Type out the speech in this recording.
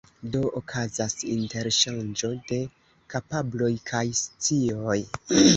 Do okazas interŝanĝo de kapabloj kaj scioj.